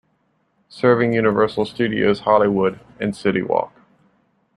Serving Universal Studios Hollywood and City Walk.